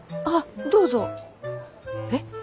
あっどうぞえっ？